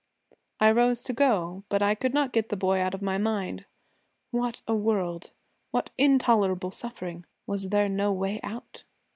I rose to go, but I could not get the boy out of my mind. What a world! What intolerable suffering! Was there no way out?